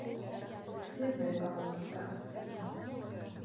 Һеҙҙең аласыҡта.